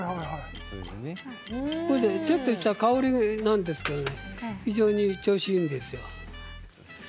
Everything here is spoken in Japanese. ちょっとした香りなんですけど非常に調子がいいんですよ。